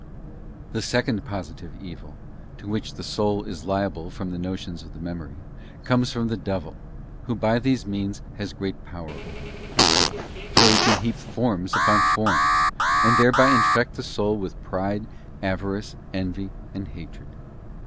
Besond orl, TuE second positive evil, to which the soul is liable from the thedevil. notions of the Memory, comes from the devil, who by these means has great power over it. For he can heap forms upon forms, and thereby infect the soul with pride, avarice, envy, and hatred.